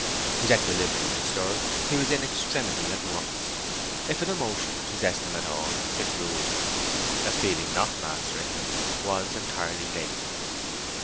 His equilibrium disturbed, he was in extremity at once. If an emotion possessed him at all, it ruled him; a feeling not mastering him was entirely latent.